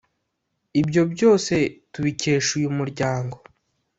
ibyo byose tubikesha uyu muryango